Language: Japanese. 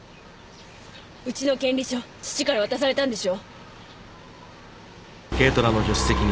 うちの権利書父から渡されたんでしょ？